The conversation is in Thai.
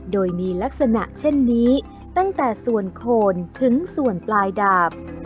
โดยมีลักษณะเช่นนี้ตั้งแต่ส่วนโคนถึงส่วนปลายดาบ